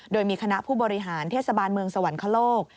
โดยมีคณะผู้บริหารเทศบาลเมืองสวรรคโลก